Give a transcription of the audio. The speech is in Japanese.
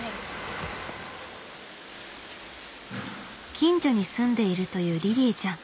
近所に住んでいるというりりぃちゃん。